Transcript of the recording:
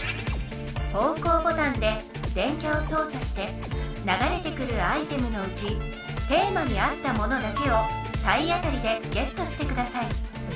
方向ボタンで電キャをそう作してながれてくるアイテムのうちテーマに合ったものだけを体当たりでゲットしてください。